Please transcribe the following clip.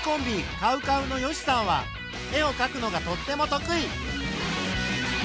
ＣＯＷＣＯＷの善しさんは絵をかくのがとっても得意。